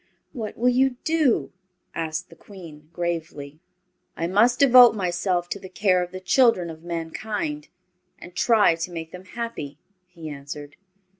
"What will you do?" asked the Queen, gravely. "I must devote myself to the care of the children of mankind, and try to make them happy," he answered.